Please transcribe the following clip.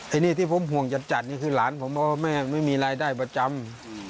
อันนี้ที่ผมห่วงจัดนี่คือหลานผมเพราะว่าแม่ไม่มีรายได้ประจำ